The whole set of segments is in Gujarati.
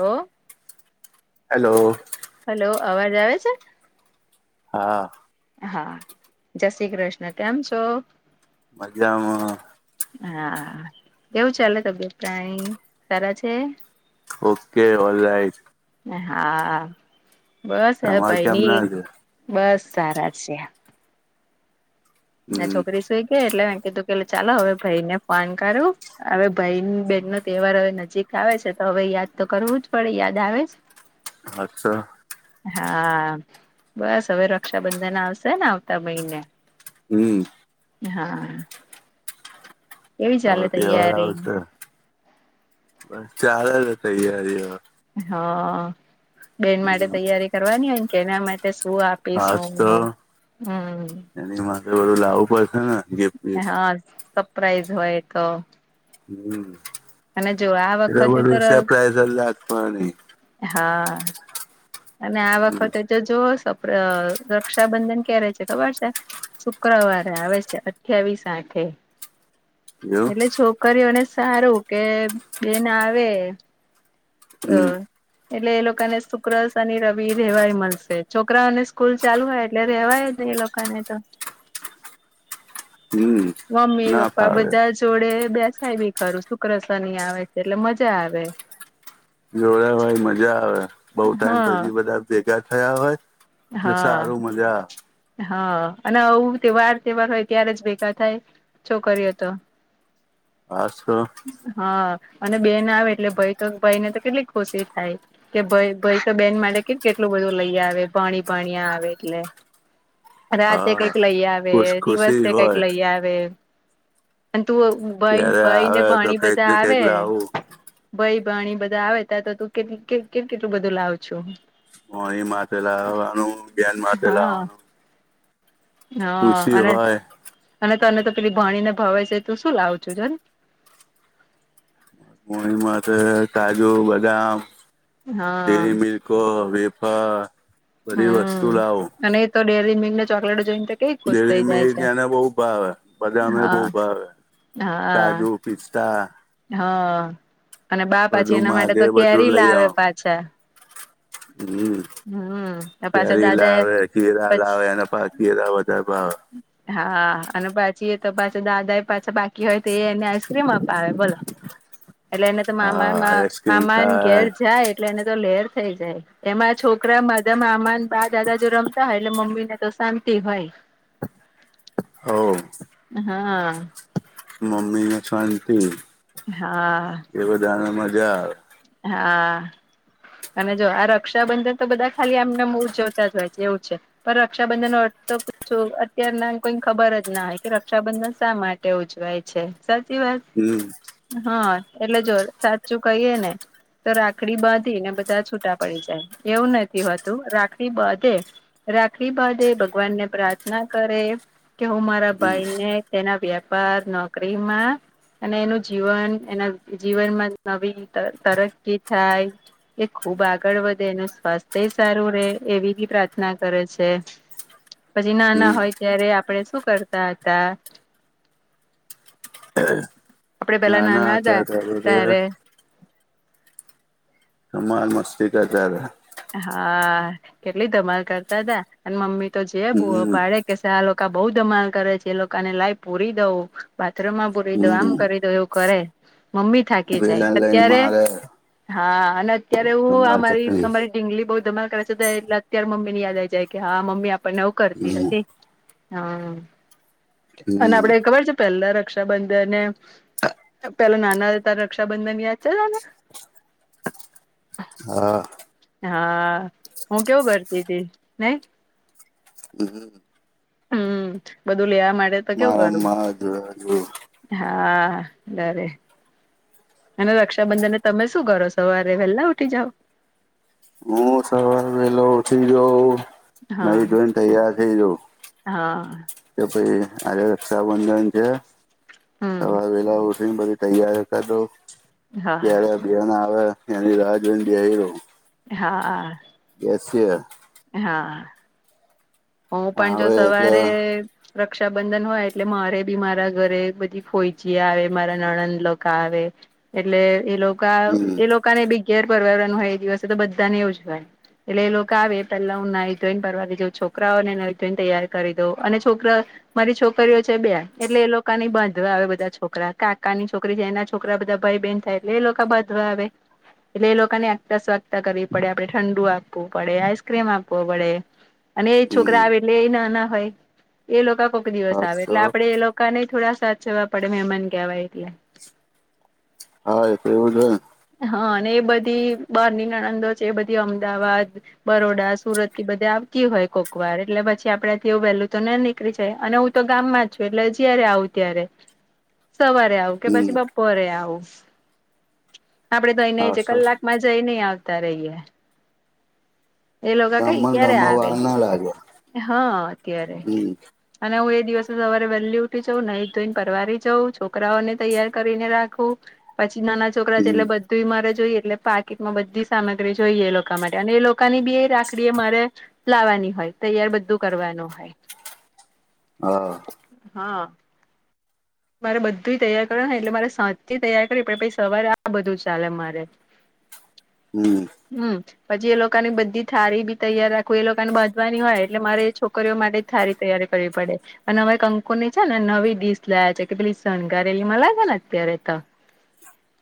હલો હેલો હલો અવાજ આવે છે. હા હા જ શ્રી કૃષ્ણ કેમ છો. મજામાં. હા કેવું ચાલે તબિયત પાણી સારા છે. ઓકે ઓલ રાઈટ હા બસ હ તમારે કેમ ભાઈની ના છે બસ સારા છે. હમ છોકરી સુઈ ગ એટલે કીધું કેલે ચાલો હવે ભાઈને ફોન કરું. હવે ભાઈન બેહેન નો તહેવાર હવે નજીક આવે છે તો હવે યાદ તો કરવું જ પડે યાદ આવે. અચ્છા હા બસ હવે રક્ષાબંધન આવશે ને આવતા મહિને. હમ્મ હા કેવી ચાલે તહેવાર તૈયારી આવશે બસ ચાલે છે તૈયારીઓ હા બેન માટે હમ તૈયારી કરવાની હોય કે એના માટે શું આપ હાશ તો એની માટે તો લાવું પડશે ને ગિફ્ટ બિફ્ટ હા સરપ્રાઈઝ હોય એ તો હમ્મ અને જો આ એ વખતે બધું તો સરપ્રાઈઝ જ રાખવાની હા અને આ હમ વખતે તો જ જો સપ્ર અ રક્ષાબંધન ક્યારે છે ખબર છે શુક્રવારે આવે છે અઠ્યાવીસ આઠે એવું એટલે છોકરીઓને સારું કે બેન આવે તો હમ એટલે એ લોકોને શુક્ર શનિ રવિ રહેવાય મળશે છોકરાઓને સ્કૂલ ચાલુ હોય એટલે રેવાય જ એ લોકોને તો હમ્મ મમ્મી પપ્પા બધા જ જોડે બેસાય બી ખરું શુક્ર શનિ આવે છે એટલે મજા આવે જોડે હોય મજા આવે બઉ ટાઈમ હા પછી બધા ભેગા થયા હોય એટલે હા સારું મજા આવે હા અને આવું તે વાર તહેવાર હોય ત્યારે જ ભેગા થાય છોકરીઓ તો હાશ તો હા અને બેન આવે એટલે ભાઈ તો ભાઈ ને તો કેટલીક ખુશી થાય કે ભઈ ભઈ તો બેન માટે કે કેટલું બધું લઈ આવે ભાણી ભાણીયા આવે એટલે રાતે હા કઈક લઈ આવે ખુશ ખુશી દિવસે કઈક હોય લઈ આવે અને તું ભાઈ ત્યારે ભાઈ આવે ને તો ભાણી કઈક બધા ને કઈક આવે લાવું ભય ભાણી બધા આવે ત્યારે તો તું કેટ કેટ કેટલું બધુ લાવો છુ ભાણી માટે લેવાનું અને બેન માટે હા લેવાનું હા અને હોય અને તને તો પેલી ભણી ને ભવે છે તું શું લાવું છું જો ને ભાણી માટે કાજુ બદામ હા ડેરી મિલ્ક કો વેફર બધી વસ્તુ હમ્મ લાવો અને એ તો ડેરી મિલ્કને ચોકલેટ જોઈને તો કેવી ખુશ થઈ ડેરી જાય મિલ્ક છે એને બહુ ભાવે અને બદામ એ બહુ હા ભાવે હા કાજુ પિસ્તા હા અને બા પાછી બધું એના માટે માગે તો બધું કેરી લઈ લાવે આવ પાછા હમ હમ પાછા કેરી દાદા લાવે કેળા લાવે પછી અને પાછ કેળા વધારે ભાવે હા અને પછી એ તો પાછા દાદા એ પાછા બાકી હોય તો એ એને આઈસક્રીમ અપાવે બોલો એટલે એને તો હા મામા આઈસ્ક્રીમ મામાને ઘેર ખાય જાય એટલે એને તો લેર થઈ જાય એમાં છોકરા બધા મામાને બા દાદા જો રમતા હોય એટલે મમ્મી ને તો શાંતિ હોય હો હા હા મમ્મીને શાંતિ હા એ બધાને મજા આવે હા અને જો આ રક્ષાબંધન તો બધા ખાલી આમને આમ ઉજવાતા જ હોય છે એવું છે પણ રક્ષાબંધન અ તો છો અત્યાર ના કોઈને ખબર જ ના કે રક્ષાબંધન શા માટે એવું ઉજવાય છે સાચી વાત હમ્મ હા એટલે જો સાચું કહીએ ને તો રાખડી બાંધીને બધા છૂટા પડી જાય, એવું નથી હોતું રાખડી બાંધે રાખડી બાધે, ભગવાનને પ્રાર્થના કરે, કે હું મારા હમ ભાઈને તેના વેપાર, નોકરીમાં, અને એનું જીવન એના જીવનમાં નવી તરકી થાય, એ ખુબ આગળ વધે એનું સ્વાસ્થ્ય સારું રે એવી બી પ્રાર્થના કરે છે. પછી નાના હમ હોય ત્યારે આપડે શું કરતા હતા. [inaudible] આપડે પેલા નાના હતાા ત્યારે ધમાલ, મસ્તી, કરતા હતા. હા એટલી ધમાલ કરતા હતાા અને મમ્મી તો જે બુઓ હમ પાડે કે આ લોકો બહુ ધમાલ કરે છે એ લોકોને લાઈ પૂરી દઉ. બાથરૂમમાં પૂરી દઉં કરી, આમ હમ કરી દવ એવું કરે મમ્મી થાકી જાય વેલણ લઈને અત્યારે. મારે હા અને અત્યારે હું આ ધમાલ મારી ચકલી અમારી ઢીંગલી બઉુ ધમાલ કરે છે એટલે ત્યારે મમ્મી યાદ આવી જાય કે હા મમ્મી આપણને આવુ કરતી હમ હતી. હા અને હમ આપડે ખબર છે. પેલા રક્ષાબંધને પેલા નાના હતા તાર રક્ષાબંધન યાદ છે ને તને? હા હા હું કેવું કરતી તી નહી? હમ્મ હમ બધું લેવા માટે તો કેવું મારા કરું મારા જોડા જો હા બરે અને રક્ષાબંધને તમે શું કરો સવારે વહેલા ઉઠી જાવ? હું સવાર વેલો ઉઠી જઉં, નાઇ હા ધોઈને તૈયાર થઇ જઉં. હા કે ભાઈ આજે રક્ષાબંધન છે હમ સવારે વેલા ઉઠીને પછી તૈયાર કર દઉં હા ત્યારે બેન આવે એની રાહ જોઈને બેહી રહું. હા બેસીએ હા હું પણ જો આવે સવારે એટલે રક્ષાબંધન હોય એટલે મારે બી મારા ઘરે બધી ફોઈજી આવે, મારા નણંદ લોકા આવે. એટલે એ લોકા હમ એ લોકો ને બી ઘેર પરવારવાનું હોય એ દિવસે તો બધાને એવું જ હોય. એટલે એ લોકા આવે એ પેલા હું નાઇ ધોઈ ન પરવારી જઉં છોક છોકરાઓને નાઈને ધોઇને તૈયાર કરી દઉં અને છોકરા મારી છોકરીઓ છે બે એટલે એ લોકોની બાંધવા આવે બધા છોકરા કાકાની છોકરી છે એના છોકરા બધા ભાઈ બહેન થાય એટલે એ લોકો બાધવા આવે. એટલે એ લોકોને આગતા સ્વાગતા કરવી પડે આપણે ઠંડુ આપવું પડે, આઈસ્ક્રીમ આપવો પડે. અને એ છોકરા હમ આવે એટલે એ નાના હોય એ લોકા કોક દિવસ આવે એટલે સાતસો આપડે એ લોક કા ને થોડા સાચવવા પડે મહેમાન કે આવે એટલે હા એ તો એવું જ હોય ન. હા અને એ બધી બારની નણંદો છે એ બધી અમદાવાદ બરોડા, સુરતથી બધે આવતી હોય કોકવાર એટલે પછી આપડે થી એવું વહેલું તો ન નીક નીકળી જાય અને હું તો ગામમાં જ છું એટલે જયારે આવું ત્યારે સવારે આવું. કે પછી હમ બપોરે આવું. આપડે તો અઈને છે હાસો કલાકમાં જઈને આવતા રહીએ. એ લોકો કઈ ગામમાં ન ક્યારે ગામમાં આવે વાર ના લાગે હા અત્યારે. હમ અને હું એ દિવસ સવારે વહેલી ઉઠી જઉં, નઈ ધોઈને પરવારી જઉં, છોકરાઓને તૈયાર કરીને રાખું. પછી નાના છોકરા છે હમ એટલે બધું મારે જોઈએ એટલે પાકીટમાં બધી સામગ્રી જોઈએ એ લોકા માટે અને એ લોક કાની બે રાખડીએ મારે લાવવાની હોય તૈયાર બધું કરવાનું હોય. હહ હા મારે બધું તૈયાર કરવાનું ને એટલે મારે સાંજથી તૈયાર કરી પે પછી સવારે આ બધું ચાલે મારે. હમ્મ હમ્મ પછી એ લોકોની બધી થારી બી તૈયાર રાખું એ લોકોને બાંધવાની હોય એટલે મારે છોકરીઓ માટે થારી તૈયારી કરવી પડે, અને હવે કંકુની છે ને નવી ડીશ લાયા છે. કે પેલી શણગારેલી મલે છેે ને અત્યારે તો.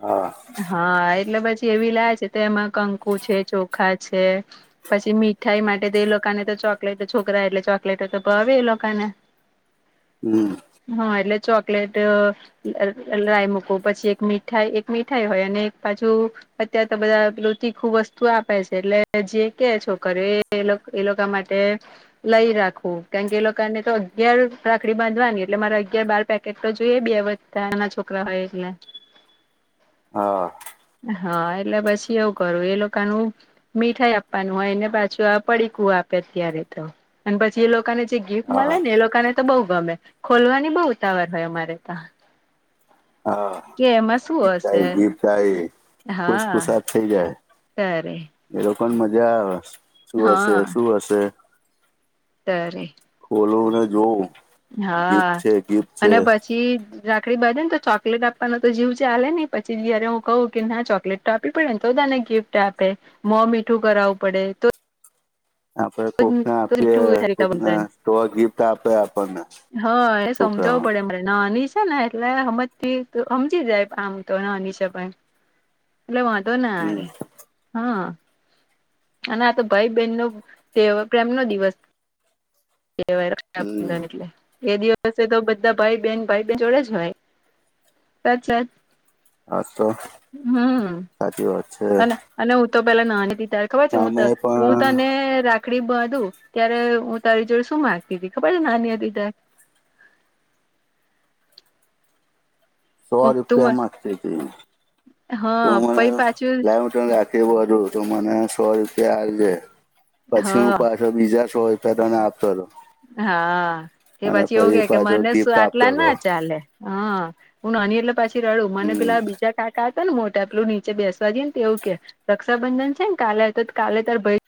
હા હા, એટલે પછી એવી લાયા છે, તો એમાં કંકુ છે, ચોખા છે. પછી મીઠાઈ માટે તો એ લોકોને તો ચોકલેટ છોકરા એટલે ચોકલેટ તો ભાવે એ લોકોને હમ્મ હ, એટલે ચોકલેટ લ લાય મૂક પછી એક મીઠાઈ એક મીઠાઈ હોય અને એક બાજુ અત્યારે તો બધા પેલું તીખું વસ્તુ આપે છે, એટલે જે કે છોકરી એ એ લોક એ લોકા માટે લઈ રાખવું કારણ કે એ લોકોને તો અત્યારે જ રાખડી બાંધવાની એટલે મારે અગિયાર બાર પેકેટ તો જોઈએ બે બધાના છોકરા હોય એટલે હા હા, એટલે પછી એવું કરું એ લોકાનું મીઠાઈ આપવાનું હોય એને પાછું આ પડીકું આપે અત્યારે તો અને પછી એ લોકોને જે ગીફ્ટ મળે હા ને એ લોકોને તો બહુ ગમે ખોલવાની બહ ઉતાવર હોય અમારે તો હા, શું ગીફ્ટ આઈ હશે ગીફ્ટઆઈ હા ખુશખુસાદ થઇ જાય. ત્યારે એ લોકોને મજા આવે શું હશે શું હશે તારે બોલું અને જોવું હા, ગિફ્ટ છે ગિફ્ટ છે અને પછી આખડી બાજેને તો ચોકલેટ આપવાનો તો જીવ ચાલે ને પછી જયારે હું કહું કે ના ચોકલેટ તો આપી પડેને તો [unintelligible] ગિફ્ટ આપે મો મીઠું કરાવું પડે તો આપડે કોકને આપીએ કોકને મીઠું તો ગિફ્ટ આપે આપણને હ, એ સમજાવું છોકરાઓ પડે એમને નાની જ ને એટલે હમજતી સમજી જાય આમ તો નાની છે પણ એટલે વાંધો ના હમ આવે હ અને આ તો ભાઈ બહેન નો તે પ્રેમ નો દિવસ કેવાય હમ રક્ષાબંધન એટલે એ દિવ સે તો બધા ભાઈ બહેન ભાઈ બેન જોડે જ હોય સાથ સાથ હમ્મ હાચી વાત છે, અને હું તો પેલા નાની હતી ત્યારે ખબર છે હું તો અમે હું પણ તને રાખ ખડી બાંધું ત્યારે હું તારી જોડે શું માંગતી તી ખબર છે, નાની હતી ત્યારે સો તું રૂપિયા માંગતી તી હા પઈ પાછું [unintelligible] કે બધું તો મને સો રૂપિયા આલિયે પછી હું હા પા બીજા સો રૂપિયા તને આપતો તો. હા, કે પછી એવું કે કે પાછો મને શું ગિફ્ટ આપતો આટલા હતો ના ચાલે. હા હું નાની એટલે પાછી રડું મને હમ પેલા ત્યાં કાકા હતા ને મોટા પેલું નીચે બેસવા જઈને તો એવું કે રક્ષાબંધન છે ને કાલે તો કાલે તારા ભઈ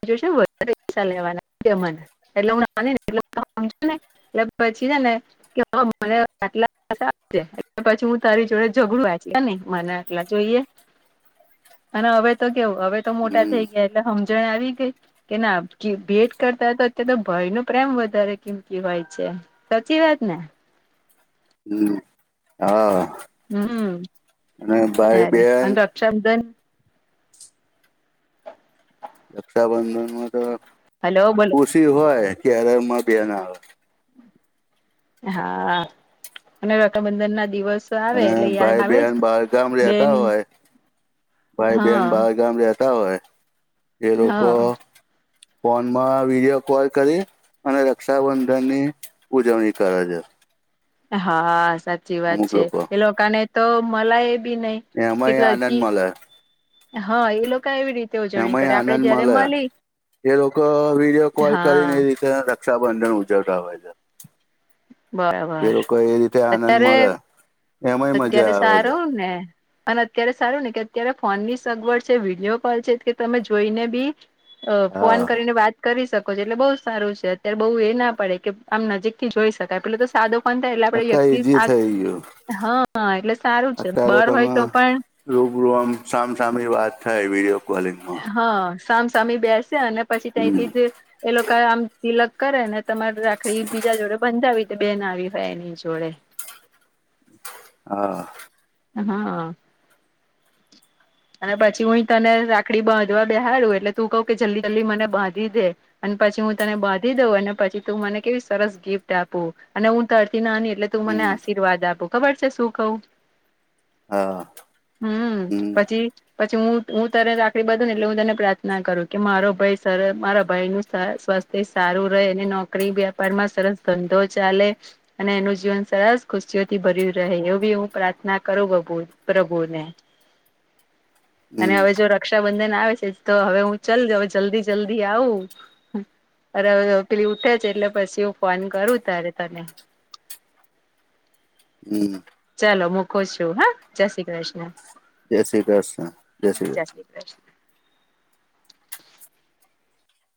બીજુ શું વધારે પૈસા લેવાના કે મને એટલે હું નાની [unintelligible] એટલે પછી હે ને કે મને [unintelligible] આટલાટ પછી હું તારી જોડે ઝઘડું મને આટલા જોઈએ. [inaudible] અને હવે તો કેવું હવે તો મોટા થઈ હમ ગયા એટલે સમજણ આવી ગઈ. કે ના ભેટ કરતા તો અત તો ભાય નો પ્રેમ વધારે કીમતી હોય છે. સાચી વાત ને. હમ હા હમ અને ભાઈ બેન. ચંદન રક્ષાબંધનમાં તો. હલો બોલો. ખુશી હોય ક્યારેમાં બેન આવે. હા અને રઠાબંધન ના દિવસ અને ભાઈ બહેન બાર ગામ બેન રેતા હોય ભાઈ બેન હા બાર ગામ રહેતા હોય. એ લોકો હા ફોનમાં વિડીયો કોલ કરીએ. અને રક્ષાબંધનની ઉજવણી કરે છે. હા સાચી વાત અમુક છે લોકો એ લોકોને તો મલાય બી નઈ. કે એમાંય આનંદ હજી મળે હા એ લોકો એવી રીતે ઉજવણી એમાંય કરે આપડે આનંદ જયારે મળે મળી એ લોકો વિડીયો કોલ કરીને હા એ રીતે તે રક્ષાબંધન ઉજવતા હોય છે. એ બરાબર લોકો એ રીતે આનંદ મળે અત્યારે એમાંય અત્યારે મજા આવે છે. સારું ને અને અત્યારે સારું ને કે અત્યારે ફોન ની સગવડ છે વિડીયો કોલ છે કે તમે જોઈને બી અ હા ફોન કરીને વાત કરી શકો છો એટલે બહું સારું છે અત્યારે બઉ એ ના પડે કે આમ નજીક જોઈ શકાય પેલો તો સાદો પણ એટલે આપે અત્યારે વ્યક્તિ ઈઝી થઈ ગયું હા એટલે સારું છે અત્યારે બર હોય તમે તો પણ રૂબરૂ આમ સામ સામે એ વાત થાય વિડીયો કોલિંગમાં હા સામ સામે બેસે અને પછી ત્યાંથી હમ જ એ લોકો આમ તિલક કરે ને તમારી રાખડી બીજા જોડે બંધાવી બેન આવી હોય એની જોડે. હા. હા. અને પછી હું તને રાખડી બાંધવા બેહારું એટલે તું કઉ કે જલ્દી જલ્દી મને બાંધી દે. અને પછી હું તને બાંધી દઉં અને પછી તું મને કેવી સરસ ગિફ્ટ આપું અને હું તારથી નાની એટલે તું મને હમ આશીર્વાદ આપું ખબર છે શું કઉ હા હું હમ જી પછી હું હું તને રાખડી બધું ને એટલે હું તને પ્રાર્થના કરું કે મારો ભાઈ સર મારા ભાઈ નો સવથ તે સારું રહે અને નોકરી વ્યાપાર માં સરસ ધંધો ચાલે અને એનું જીવન સરસ ખુશીઓથી ભર્યું રહે એવી હું પ્રાર્થના કરું પ્ર પ્રભુ ને. અને હમ હવે જો રક્ષાબંધન આવે છે તો હવે હું ચલજ હવે જલ્દી જલ્દી આવું. અરે હવે પેલી ઉઠે છે એટલે પછી હું ફોન કરું તારે તને હમ્મ. ચાલો મૂકો છું હા જય શ્રી કૃષ્ણ. જય શ્રી કૃષ્ણ જય શ્રી કૃષ્ણ. આ જો